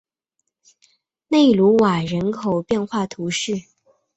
贝卢瓦人口变化图示